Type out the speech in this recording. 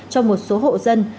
cho một số hộ dân